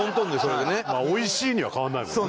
おいしいには変わりないもんね。